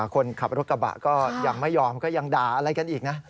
คนขับรถกระบะก็ยังไม่ยอมก็ยังด่าอะไรกันอีกนะ